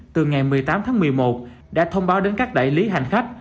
từ ngày một mươi tám tháng một mươi một đã thông báo đến các đại lý hành khách